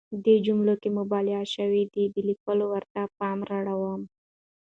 دې جملو کې مبالغه شوې ده، د ليکوال ورته پام رااړوم.